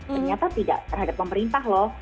ternyata tidak terhadap pemerintah loh